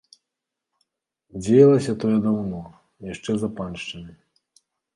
Дзеялася тое даўно, яшчэ за паншчынай.